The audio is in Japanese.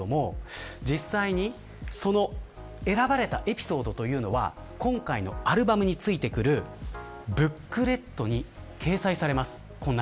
実際に選ばれたエピソードというのは今回のアルバムについてくるブックレットに掲載されます。